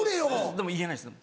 でも言えないんですよ。